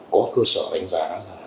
có cơ sở đánh giá